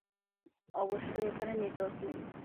অবশ্যই এখানে নেটওয়ার্ক নেই।